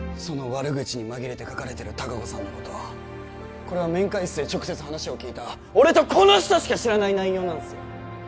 その悪口に紛れて書かれてる隆子さんのことこれは面会室で直接話を聞いた俺とこの人しか知らない内容なんすよ！